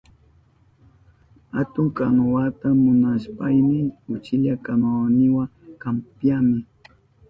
Atun kanuwata munashpayni uchilla kanuwayniwa kampyani.